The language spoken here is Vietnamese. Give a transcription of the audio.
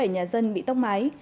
bốn mươi bảy nhà dân bị tốc máy